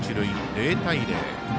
０対０。